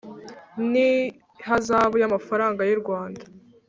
n ihazabu y amafaranga y u Rwanda